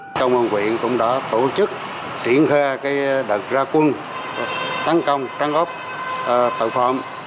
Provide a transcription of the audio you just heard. lực lượng công an huyện cũng đã tổ chức triển khai đợt ra quân tấn công trắng góp tội phạm